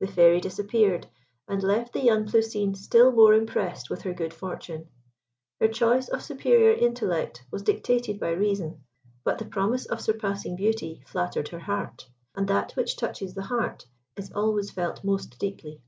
The Fairy disappeared, and left the young Plousine still more impressed with her good fortune. Her choice of superior intellect was dictated by reason, but the promise of surpassing beauty flattered her heart, and that which touches the heart is always felt most deeply.